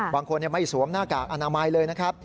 บางคนไม่สวมหน้ากากอนามัยเลยนะครับ